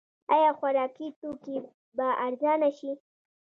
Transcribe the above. آیا خوراکي توکي به ارزانه شي؟